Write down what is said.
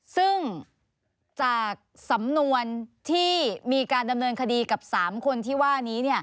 ซึ่งจากสำนวนที่มีการดำเนินคดีกับ๓คนที่ว่านี้